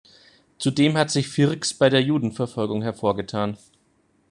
Zudem hat sich Fircks bei der Judenverfolgung hervorgetan.